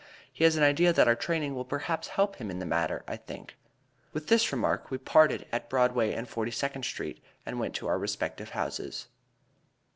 He has an idea that our training will perhaps help him in the matter, I think." With this remark, we parted at Broadway and Forty second Street, and went to our respective homes.